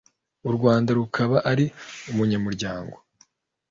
u Rwanda rukaba ari umunyamuryango